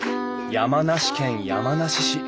山梨県山梨市。